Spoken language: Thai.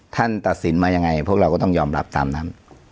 ตัดสินมายังไงพวกเราก็ต้องยอมรับตามนั้น